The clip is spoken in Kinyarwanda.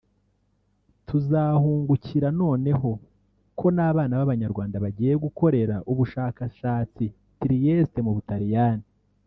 tuzahungukira noneho ko n’Abana b’Abanyarwanda bagiye gukorera ubushakashatsi Trieste mu Butaliyani